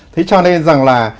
thế cho nên rằng là